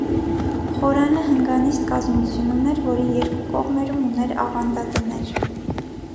Խորանը հնգանիստ կազմություն ուներ, որի երկու կողմերում ուներ ավանդատներ։